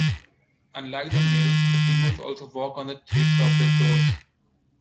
Unlike the males, the females also walk on the tips of their toes.